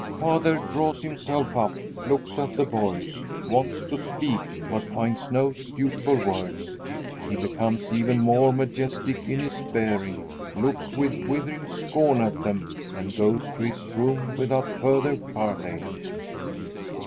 Father, draws himself up, looks at the boys, wants to speak, but finds no suitable words. He becomes even more majestic in his bearing, looks with withering scorn at them, and goes to his room without further parley.